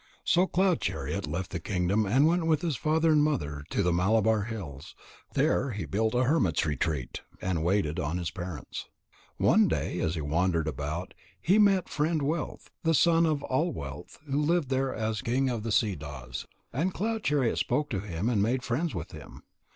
So Cloud chariot left the kingdom and went with his father and mother to the Malabar hills. There he built a hermit's retreat, and waited on his parents. One day, as he wandered about, he met Friend wealth, the son of All wealth, who lived there as king of the Siddhas. And Cloud chariot spoke to him and made friends with him.